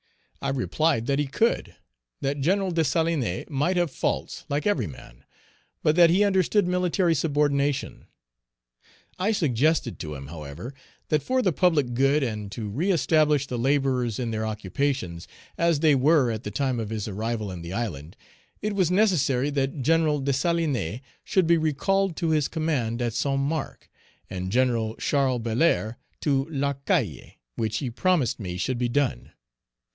I replied that he could; that Gen. Dessalines might have faults, like every man, but that he understood military subordination. I suggested to him, however, that for the public good and to reëstablish the laborers in their occupations, as they were at the time of his arrival in the island, it was necessary that Gen. Dessalines should be recalled to his command at Saint Marc, and Gen. Charles Belair to L'Arcahaye, which he promised me should be done.